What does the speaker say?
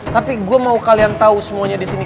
tapi gue mau kalian tau semuanya disini